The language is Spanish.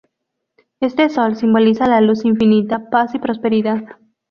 Este sol simboliza la luz infinita, paz y prosperidad.